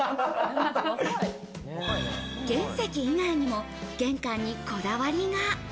原石以外にも玄関にこだわりが。